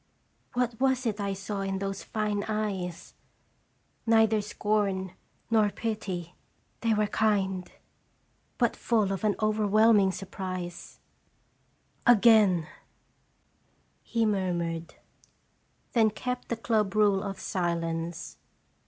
What was it I saw in those fine eyes? Neither scorn nor pity; they were kind, but full of an overwhelming surprise. 304 "Qlre trje " Again!" he murmured; then kept the club rule of silence.